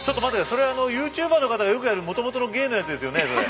それＹｏｕＴｕｂｅｒの方がよくやるもともとの芸のやつですよねそれ。